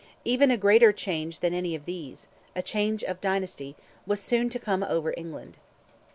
Even a greater change than any of these—a change of dynasty—was soon to come over England.